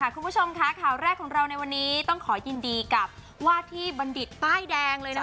คุณผู้ชมค่ะข่าวแรกของเราในวันนี้ต้องขอยินดีกับว่าที่บัณฑิตป้ายแดงเลยนะคะ